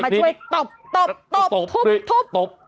มาช่วยตบทุบ